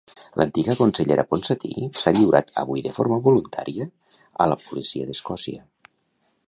L'antiga consellera Ponsatí s'ha lliurat avui de forma voluntària a la policia d'Escòcia.